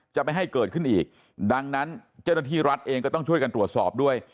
จะไม่ให้เกิดขึ้นอีกดังนั้นเจ้าหน้าที่รัฐเองก็ต้องช่วยกันตรวจสอบด้วย